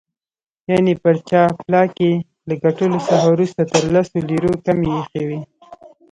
یعني پر جاپلاک یې له ګټلو څخه وروسته تر لسو لیرو کمې ایښي وې.